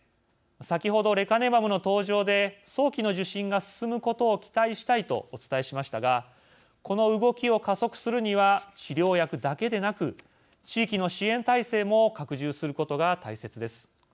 先ほど、レカネマブの登場で早期の受診が進むことを期待したいとお伝えしましたがこの動きを加速するには治療薬だけでなく地域の支援体制も拡充することが大切です。